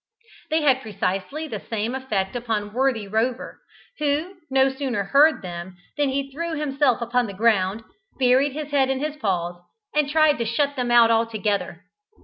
They had precisely the same effect upon worthy Rover, who no sooner heard them than he threw himself upon the ground, buried his head in his paws, and tried to shut them out altogether.